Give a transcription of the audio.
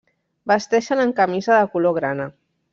Vesteixen amb camisa de color grana.